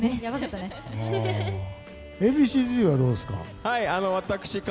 Ａ．Ｂ．Ｃ‐Ｚはどうですか？